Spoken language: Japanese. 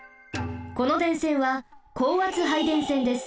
この電線は高圧配電線です。